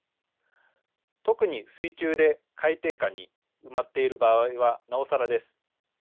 特に水中で海底下に埋まっている場合はなおさらです。